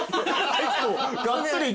結構。